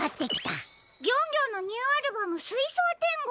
ギョンギョンのニューアルバム「すいそう天国」。